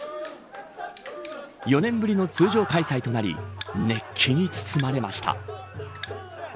４年ぶりの通常開催となり熱気に包まれました。